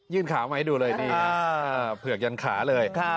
ยื่นขาไว้ดูเลยเปลือกยันขาเลย